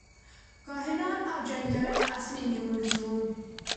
کاهنان او جنګیالي اصلي نیونکي وو.